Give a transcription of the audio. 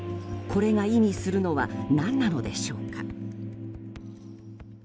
これが意味するのは何なのでしょうか。